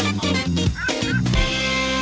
นี่